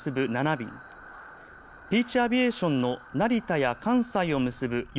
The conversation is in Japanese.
便ピーチ・アビエーションの成田や関西を結ぶ４